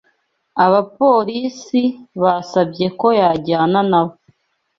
Abapolisi basabye ko yajyana nabo.